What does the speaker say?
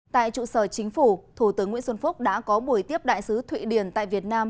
tại trụ sở chính phủ thủ tướng nguyễn xuân phúc đã có buổi tiếp đại sứ thụy điển tại việt nam